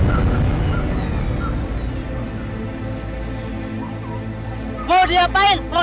di mana aku bisa menemukan pohon kejujuran itu